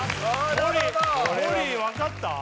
モリーモリー分かった？